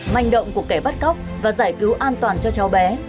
manh động của kẻ bắt cóc và giải cứu an toàn cho cháu bé